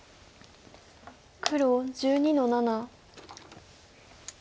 黒１２の七。